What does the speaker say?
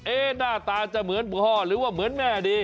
หน้าตาจะเหมือนพ่อหรือว่าเหมือนแม่ดี